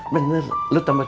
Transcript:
bener lho tamat sakit